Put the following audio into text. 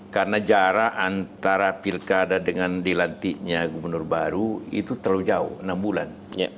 karena jarak antara pilkada dengan dilantiknya gubernur baru itu terlalu jauh enam bulan